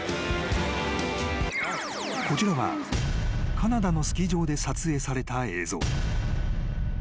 ［こちらはカナダのスキー場で撮影された映像］